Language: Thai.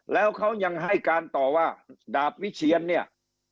แล้วเขายังให้การต่อว่าดาบวิเชียนเนี่ย